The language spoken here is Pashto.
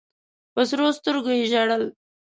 په سرو سترګو یې ژړل.